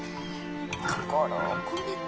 心を込めて。